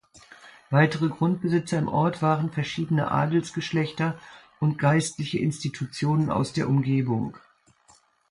Weitere Grundbesitzer im Ort waren verschiedene Adelsgeschlechter und geistliche Institutionen aus der Umgebung.